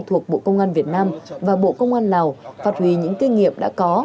thuộc bộ công an việt nam và bộ công an lào phạt hủy những kinh nghiệm đã có